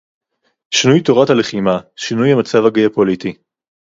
שינוי תורת הלחימה, שינוי המצב הגיאופוליטי